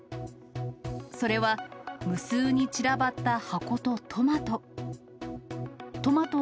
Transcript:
それは、無数に散らばった箱とトマト。